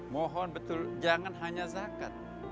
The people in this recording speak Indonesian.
mohon betul jangan hanya zakat